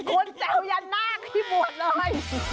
คุณแจวยันนาคที่หมวดเลย